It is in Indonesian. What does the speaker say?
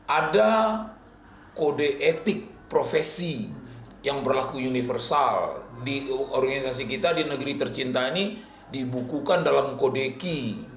ada kode etik profesi yang berlaku universal di organisasi kita di negeri tercinta ini dibukukan dalam kode ki